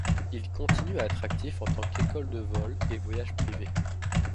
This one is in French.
Il continue à être actif en tant qu'école de vol et voyages privés.